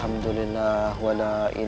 jangan byutara sajini